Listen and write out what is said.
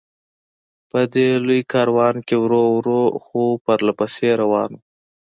په دې لوی کاروان کې ورو ورو، خو پرله پسې روان و.